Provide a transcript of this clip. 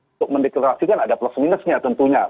untuk mendeklarasikan ada plus minusnya tentunya